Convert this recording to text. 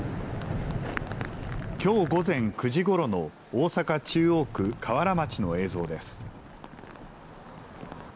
きょう午前９時ごろの大阪中央区瓦町の映像です。